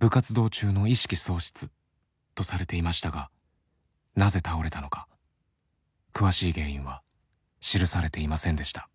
部活動中の意識喪失とされていましたがなぜ倒れたのか詳しい原因は記されていませんでした。